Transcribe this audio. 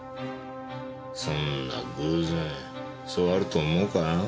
そんな偶然そうあると思うか？